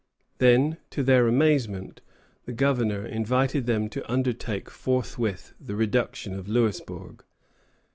Then, to their amazement, the Governor invited them to undertake forthwith the reduction of Louisbourg.